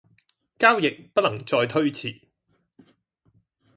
交易不能再推遲